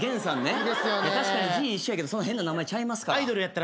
確かに字一緒やけどそんな変な名前ちゃいますから。